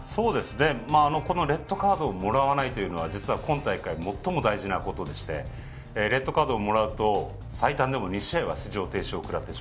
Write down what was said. レッドカードをもらわないというのは実は今大会最も大事なことでしてレッドカードをもらうと最短でも２試合出場停止になる。